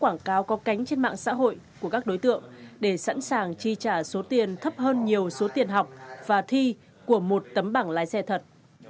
quảng cáo có cánh trên mạng xã hội của các đối tượng để sẵn sàng chi trả số tiền thấp hơn nhiều số tiền học và thi của một tấm bảng lái xe thật